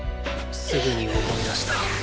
すぐに思い出した。